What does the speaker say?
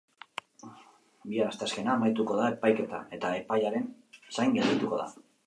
Bihar, asteazkena, amaituko da epaiketa, eta epaiaren zain geldituko da.